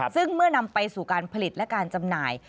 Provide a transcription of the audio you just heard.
ซึ่งเมื่อนำไปสู่การผลิตและการจำหน่าย